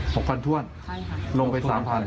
สลิงเป็น๖๐๐๐ค่ะ๖๐๐๐ถ้วนลงไป๓๐๐๐